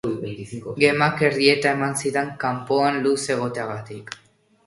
Gemak errieta eman zidan kanpoan luze egoteagatik.